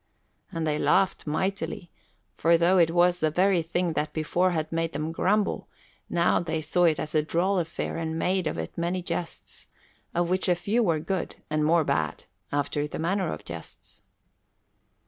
And they laughed mightily, for though it was the very thing that before had made them grumble, now they saw it as a droll affair and made of it many jests, of which a few were good and more bad, after the manner of jests.